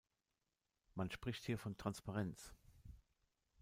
Man spricht hier von Transparenz.